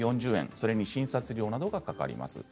それに診察料などがかかります。